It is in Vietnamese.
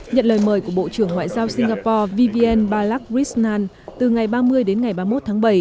nhận lời mời của bộ trưởng ngoại giao singapore vivian balakrishnan từ ngày ba mươi đến ngày ba mươi một tháng bảy